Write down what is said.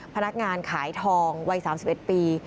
พนักงานขายทองวัย๓๑ปี